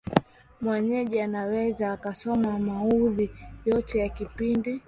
mwenyeji anaweza akasoma maudhui yote ya kipindi